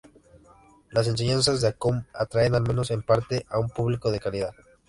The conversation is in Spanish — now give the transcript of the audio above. Las enseñanzas de Accum atraen al menos en parte a un público de calidad.